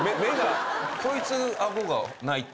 こいつ顎がないって。